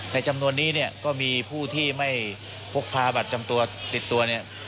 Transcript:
จำนวนนี้เนี่ยก็มีผู้ที่ไม่พกพาบัตรจำตัวติดตัวเนี่ย